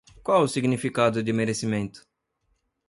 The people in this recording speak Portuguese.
Qual o significado de merecimento?